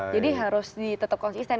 jadi harus ditetap konsisten